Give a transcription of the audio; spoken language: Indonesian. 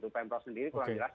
pemprov sendiri kurang jelas